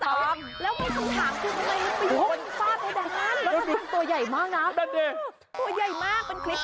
ตัวใหญ่มากก็มันคลิปนั้น